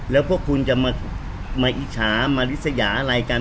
แล้วพวกคุณจะมาอิจฉามาริสยาอะไรกัน